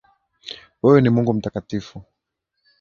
Wewe Mungu ni mtakatifu.